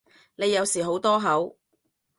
你有時好多口